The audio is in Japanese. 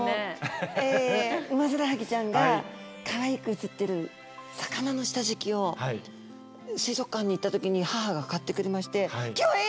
ウマヅラハギちゃんがかわいく写ってる魚の下敷きを水族館に行ったときに母が買ってくれましてギョエ！